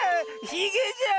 ひげじゃ！